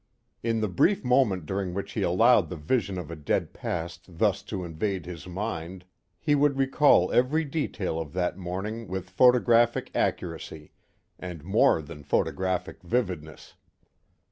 In the brief moment during which he allowed the vision of a dead past thus to invade his mind, he would recall every detail of that morning with photographic accuracy, and more than photographic vividness.